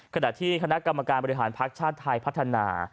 ขณะที่คณะกรรมการบริหารภักดิ์ชาติไทยพัฒนา